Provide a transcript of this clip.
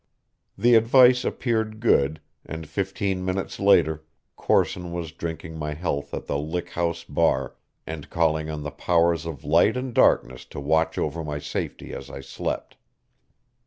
The advice appeared good, and fifteen minutes later Corson was drinking my health at the Lick House bar, and calling on the powers of light and darkness to watch over my safety as I slept.